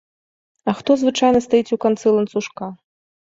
А хто звычайна стаіць у канцы ланцужка?